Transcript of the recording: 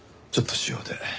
ちょっと私用で。